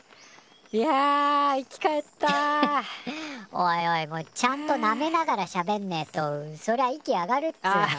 おいおいちゃんとなめながらしゃべんねえとそりゃ息上がるっつの。